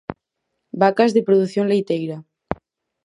Vacas de produción leiteira.